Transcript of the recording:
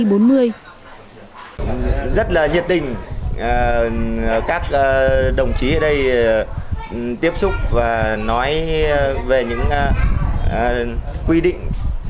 chúng tôi rất nhiệt tình các đồng chí ở đây tiếp xúc và nói về những quy định